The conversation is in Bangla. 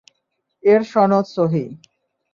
এর সনদ সহীহ।